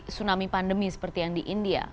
tsunami pandemi seperti yang di india